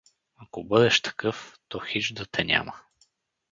Aко бъдеш такъв, то хич да те няма.